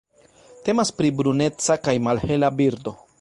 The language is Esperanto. Temas pri bruneca kaj malhela birdo.